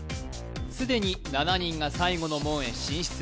すでに７人が最後の門へ進出